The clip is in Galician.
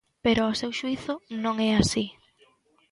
Pero ao seu xuízo non é así.